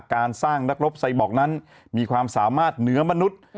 การสร้างนักรบไซบอกนั้นมีความสามารถเหนือมนุษย์